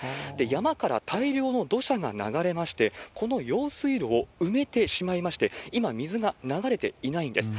山から大量の土砂が流れまして、この用水路を埋めてしまいまして、今、水が流れていないんです。